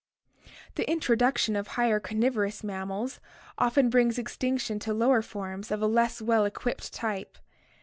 The introduction of higher carnivorous mammals often brings extinction to lower forms of a less well equipped type.